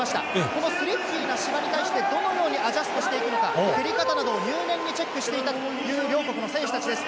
このに対して、どのようにアジャストしていくのか、蹴り方などを入念にチェックしていたという両国の選手たちです。